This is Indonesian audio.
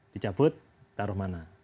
dicabut taruh mana